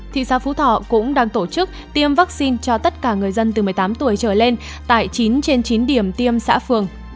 thị xã phú thọ cũng đang tổ chức tiêm vaccine cho tất cả người dân từ một mươi tám tuổi trở lên tại chín trên chín điểm tiêm xã phường